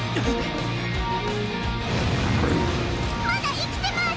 まだ生きてます！